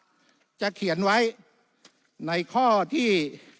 วุฒิสภาจะเขียนไว้ในข้อที่๓๐